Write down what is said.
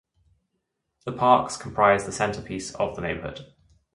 The parks comprise the centerpiece of the neighborhood.